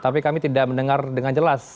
tapi kami tidak mendengar dengan jelas